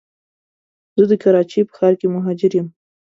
زه د کراچی په ښار کي مهاجر یم